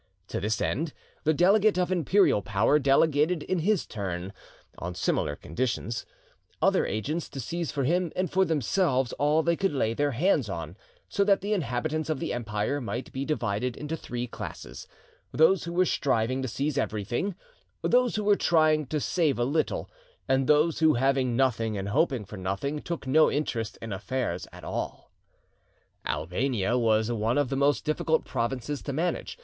To this end, the delegate of imperial power delegated in his turn, on similar conditions, other agents to seize for him and for themselves all they could lay their hands on; so that the inhabitants of the empire might be divided into three classes—those who were striving to seize everything; those who were trying to save a little; and those who, having nothing and hoping for nothing, took no interest in affairs at all. Albania was one of the most difficult provinces to manage.